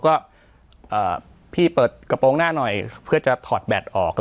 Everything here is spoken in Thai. ก็พี่เปิดกระโปรงหน้าหน่อยเพื่อจะถอดแบตออก